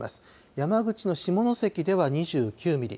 山口の下関では、２９ミリ。